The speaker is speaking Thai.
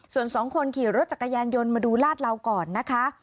ส่วนสองคนขี่รถจักรยานยนต์มาดูลาดเหลาก่อนนะคะ